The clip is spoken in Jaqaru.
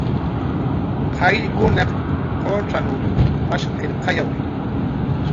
Qayllkunaq qucxanw mashqirqayawi